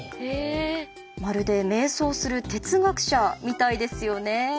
まるでめい想する哲学者みたいですよね。